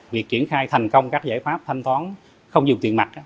việc triển khai thành công các giải pháp thanh toán không dùng tiền mặt